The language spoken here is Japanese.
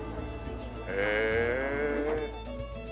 へえ。